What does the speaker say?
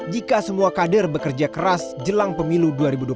jika semua kader bekerja keras jelang pemilu dua ribu dua puluh